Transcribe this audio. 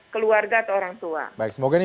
keluarga atau orang tua baik semoga ini